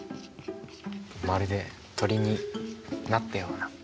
まるで鳥になったような。